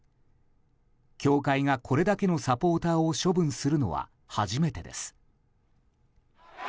協会がこれだけのサポーターを処分するのは初めてです。